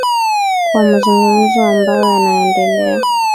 kwa aa mazungumzo ambayo yana yanaendelea